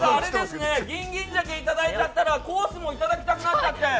ギンギン鮭をいただいちゃったらコースもいただきたくなっちゃって。